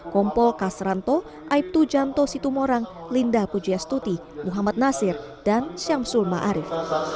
kompol kasranto aibtu janto situmorang linda pujiestuti muhammad nasir dan syamsul ma'arif